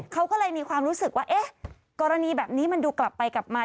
เขาก็เลยมีความรู้สึกว่าเอ๊ะกรณีแบบนี้มันดูกลับไปกลับมา